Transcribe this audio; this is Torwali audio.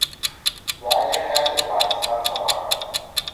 پأش اے خیال دے پاکستان سوا گا